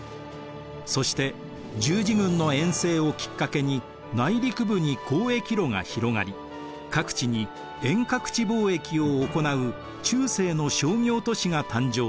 そして十字軍の遠征をきっかけに内陸部に交易路が広がり各地に遠隔地貿易を行う中世の商業都市が誕生しました。